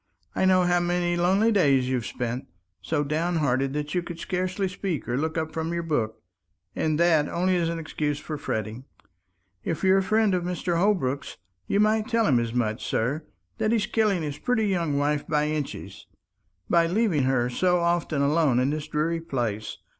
I know how many lonely days you've spent, so downhearted that you could scarcely speak or look up from your book, and that only an excuse for fretting. If you're a friend of Mr. Holbrook's, you might tell him as much, sir; that he's killing his pretty young wife by inches, by leaving her so often alone in this dreary place.